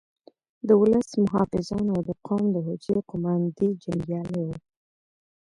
د ولس محافظان او د قوم د حجرې قوماندې جنګیالي وو.